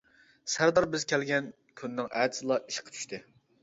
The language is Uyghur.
سەردار بىز كەلگەن كۈننىڭ ئەتىسىلا ئىشقا چۈشتى.